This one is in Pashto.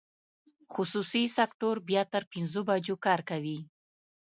خصوصي سکټور بیا تر پنځو بجو کار کوي.